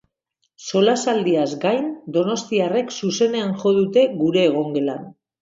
Solasaldiaz gain, donostiarrek zuzenean jo dute gure egongelan.